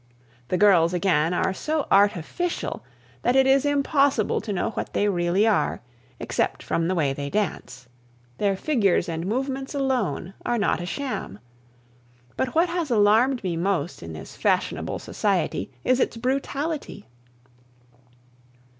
The girls, again, are so artificial that it is impossible to know what they really are, except from the way they dance; their figures and movements alone are not a sham. But what has alarmed me most in this fashionable society is its brutality.